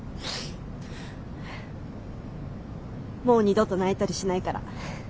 もう二度と泣いたりしないから。